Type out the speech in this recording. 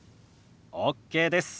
ＯＫです。